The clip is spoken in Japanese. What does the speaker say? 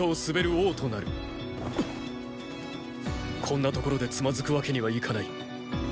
こんな所でつまずくわけにはいかない。